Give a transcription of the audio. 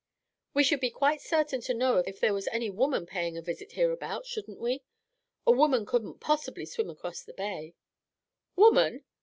"We should be quite certain to know if there was any woman paying a visit hereabout, shouldn't we? A woman couldn't possibly swim across the bay." "Woman!"